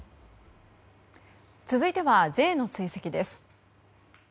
続いてはＪの追跡です。